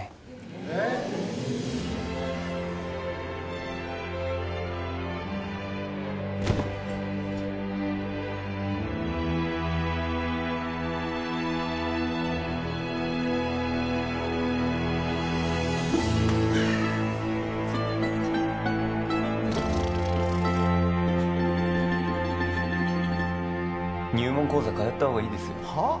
はあーっ入門講座通ったほうがいいですよはあ！？